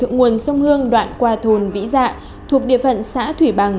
thượng nguồn sông hương đoạn qua thôn vĩ dạ thuộc địa phận xã thủy bằng